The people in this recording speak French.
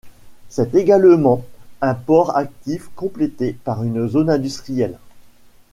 C'est également un port actif complété par une zone industrielle.